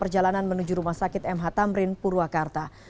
perjalanan menuju rumah sakit mh tamrin purwakarta